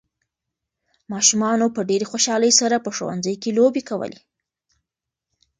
ماشومانو په ډېرې خوشالۍ سره په ښوونځي کې لوبې کولې.